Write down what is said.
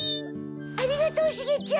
ありがとうおシゲちゃん。